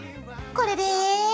これで。